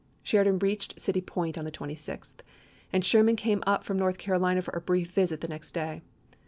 Sheridan reached City Point on the 26th, and Sherman came up from March, isoe. North Carolina for a brief visit the next day.